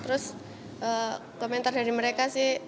terus komentar dari mereka sih